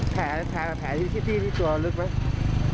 แผลที่ตัวลึกไหม